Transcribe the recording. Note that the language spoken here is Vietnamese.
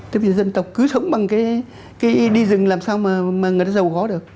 tức là dân tộc cứ sống bằng cái đi rừng làm sao mà người ta râu gó được